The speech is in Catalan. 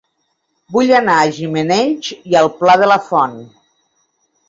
Vull anar a Gimenells i el Pla de la Font